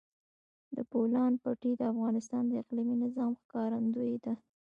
د بولان پټي د افغانستان د اقلیمي نظام ښکارندوی ده.